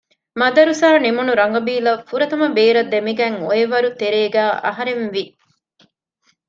މަދުރަސާ ނިމުނު ރަނގަބީލަށް ފުރަތަމަ ބޭރަށް ދެމިގަތް އޮއިވަރުގެ ތެރޭގައި އަހަރެން ވި